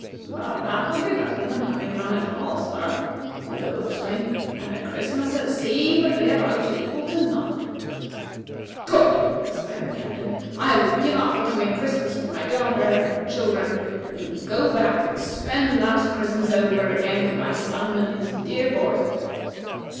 "But that would be better than having none at all, sir," said the boatswain, "and a Christmas at sea would be about equal to none." "Good!" exclaimed the Captain. "I will give up the coming Christmas with my daughter and her children, and go back and spend last Christmas over again with my son and his dear boys and girls.